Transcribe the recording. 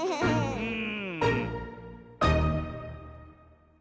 うん。